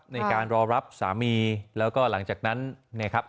ในการรอรับสามีแล้วก็หลังจากนั้นเนี่ยครับ